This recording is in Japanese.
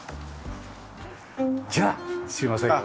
じゃあすいません